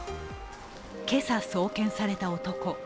今朝、送検された男。